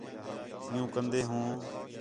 عیوں کندے ہوں